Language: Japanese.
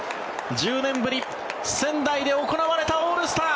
１０年ぶり仙台で行われたオールスター